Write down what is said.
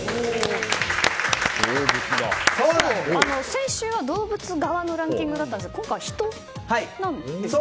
先週は動物側のランキングだったんですが今回は人なんですね。